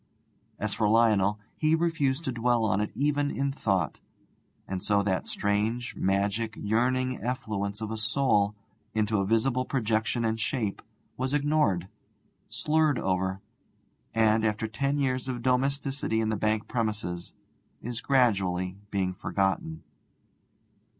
As for Lionel, he refused to dwell on it even in thought. And so that strange, magic, yearning effluence of a soul into a visible projection and shape was ignored, slurred over, and, after ten years of domesticity in the bank premises, is gradually being forgotten.